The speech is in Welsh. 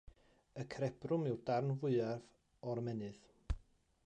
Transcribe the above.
Y cerebrwm yw'r darn fwyaf o'r ymennydd.